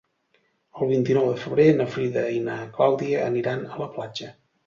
El vint-i-nou de febrer na Frida i na Clàudia aniran a la platja.